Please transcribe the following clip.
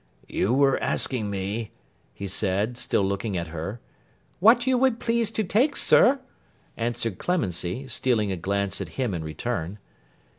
'You were asking me,'—he said, still looking at her,—'What you would please to take, sir,' answered Clemency, stealing a glance at him in return.